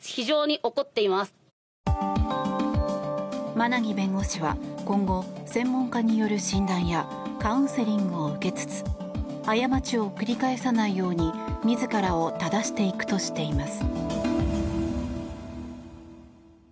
馬奈木弁護士は今後、専門家による診断やカウンセリングを受けつつ過ちを繰り返さないように自らを正していくとしています。